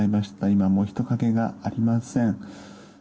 今も人影がありません。